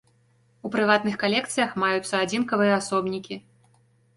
У прыватных калекцыях маюцца адзінкавыя асобнікі.